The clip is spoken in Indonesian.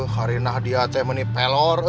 harinah dia teh menipelor